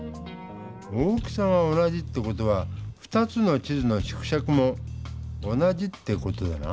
大きさが同じって事は２つの地図の縮尺も同じって事だな。